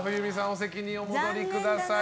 お席にお戻りください。